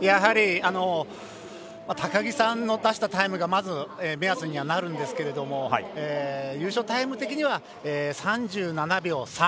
やはり高木さんの出したタイムが、まず目安にはなるんですけど優勝タイム的には３７秒３。